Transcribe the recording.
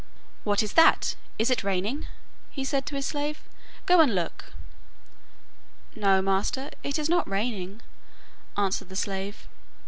'What is that? Is it raining?' he said to his slave. 'Go and look.' 'No, master, it is not raining,' answered the slave.